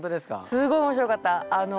すごい面白かった！